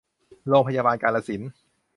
โรงพยาบาลกาฬสินธุ์